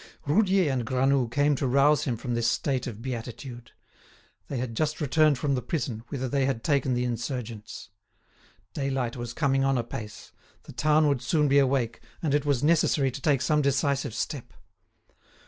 Roudier and Granoux came to rouse him from this state of beatitude. They had just returned from the prison, whither they had taken the insurgents. Daylight was coming on apace, the town would soon be awake, and it was necessary to take some decisive step.